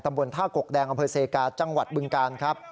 บนท่ากกแดงอำเภอเซกาจังหวัดบึงกาลครับ